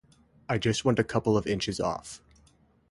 I just want a couple of inches off.